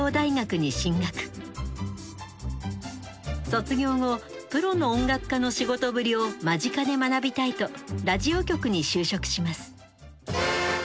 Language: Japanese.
卒業後プロの音楽家の仕事ぶりを間近で学びたいとラジオ局に就職します。